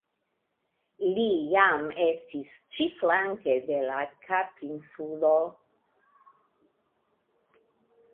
Li jam estas ĉi-flanke de la Kapinsulo.